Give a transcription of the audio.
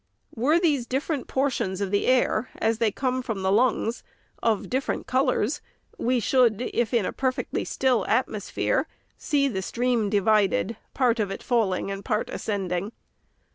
Were these different portions of the air, as they come from the lungs, of different colors, we should, if in a perfectly still atmosphere, see the stream divided, part of it falling and part ascending.